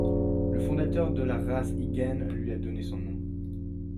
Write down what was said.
Le fondateur de la race, Hygen, lui a donné son nom.